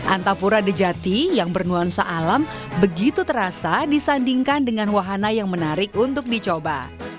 antapura dejati yang bernuansa alam begitu terasa disandingkan dengan wahana yang menarik untuk dicoba